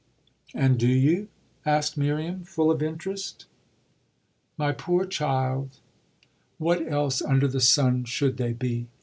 '" "And do you?" asked Miriam full of interest. "My poor child, what else under the sun should they be?